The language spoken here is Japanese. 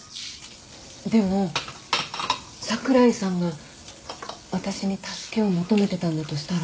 でも櫻井さんが私に助けを求めてたんだとしたら？